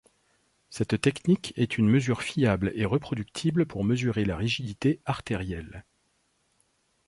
Cette technique est une mesure fiable et reproductible pour mesurer la rigidité artérielle.